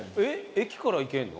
駅から行けるの？